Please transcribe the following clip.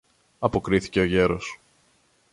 αποκρίθηκε ο γέρος.